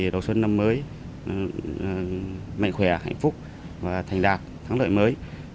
đầu xuân năm mới mạnh khỏe hạnh phúc và thành đạt thắng lợi mới